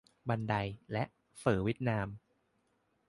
บันได และ เฝอเวียดนาม